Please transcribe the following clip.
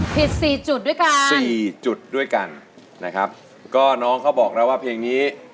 ผิด๔จุดด้วยกันนะครับก็น้องเค้าบอกแล้วว่าเพลงนี้